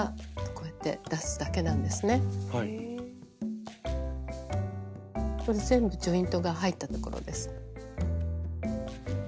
これで全部ジョイントが入ったところです。